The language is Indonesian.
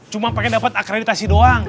cuma pengen dapat akreditasi doang